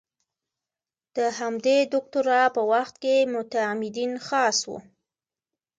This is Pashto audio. د همدې دوکتورا په وخت کې معتمدین خاص وو.